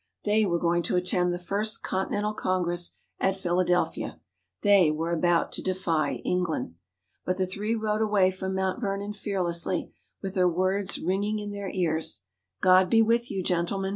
They were going to attend the First Continental Congress at Philadelphia. They were about to defy England. But the three rode away from Mount Vernon fearlessly, with her words ringing in their ears: "God be with you, Gentlemen!"